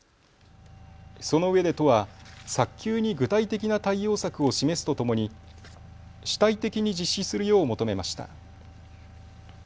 そのうえで都は、早急に具体的な対応策を示すとともに主体的に実施するよう求めました。